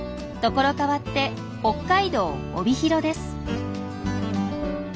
ところ変わって北海道帯広です。